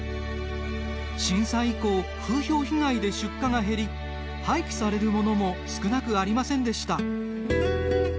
震災以降、風評被害で出荷が減り廃棄されるものも少なくありませんでした。